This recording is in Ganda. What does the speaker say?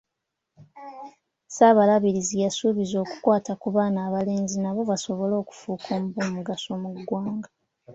Ssaabalabirizi yasuubizza okukwata ku baana abalenzi nabo basobole okufuuka ab’omugaso mu ggwanga.